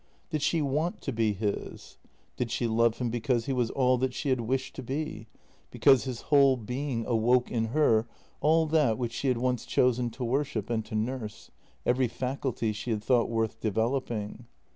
Did she want to be his? Did she love him because he was all that she had wished to be, because his whole being awoke JENNY 285 in her all that which she had once chosen to worship and to nurse — every faculty she had thought worth developing